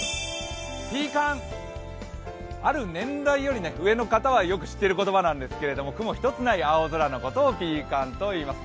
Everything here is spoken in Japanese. ピーカン、ある年代より上の方はよく知っている言葉なんですけれども、雲一つない青空のことをピーカンといいます。